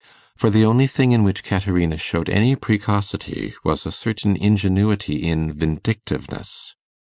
For the only thing in which Caterina showed any precocity was a certain ingenuity in vindictiveness.